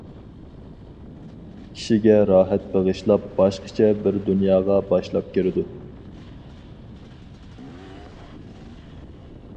كىشىگە راھەت بېغىشلاپ باشقىچە بىر دۇنياغا باشلاپ كىرىدۇ.